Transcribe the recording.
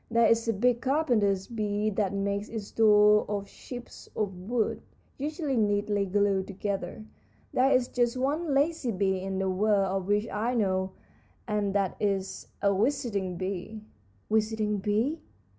There is a big carpenter bee that makes its doors of chips of wood, usually neatly glued together. There is just one lazy bee in the world of which I know, and that is a visiting bee." "Visiting bees?"